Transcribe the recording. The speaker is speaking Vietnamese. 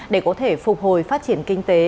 để có thể phục hồi phát triển kinh tế